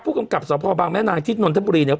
ผู้กำกับบางแม่นามที่เนินทำบุรีเนี้ย